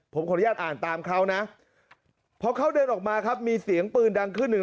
ผมขออนุญาตอ่านตามเขานะพอเขาเดินออกมาครับมีเสียงปืนดังขึ้นหนึ่ง